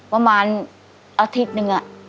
ประมาณอาทิตย์หนึ่ง